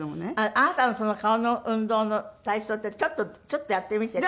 あなたのその顔の運動の体操ってちょっとやってみせて。